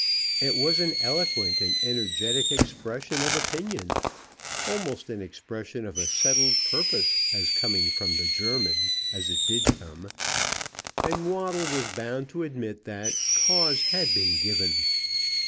It was an eloquent and energetic expression of opinion, almost an expression of a settled purpose as coming from the German as it did come; and Waddle was bound to admit that cause had been given.